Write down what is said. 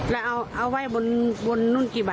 แล้วเอาไว้บนนึงกี่ใบ